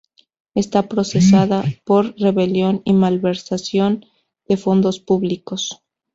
Está procesada por rebelión y malversación de fondos públicos.